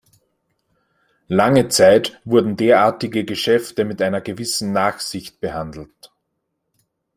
Lange Zeit wurden derartige Geschäfte mit einer gewissen Nachsicht behandelt.